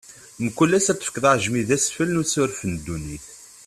Mkul ass ad tefkeḍ aɛejmi d asfel n usuref n ddnub.